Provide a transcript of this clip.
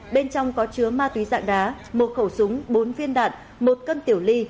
bên trong có chứa ma túy dạng đá một khẩu súng bốn viên đạn một cân tiểu ly